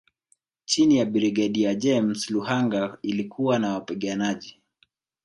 Chini ya Brigedia James Luhanga ilikuwa na wapiganaji